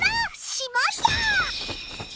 「しまった！」。